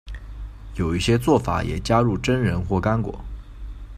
有一些做法也加入榛仁或干果。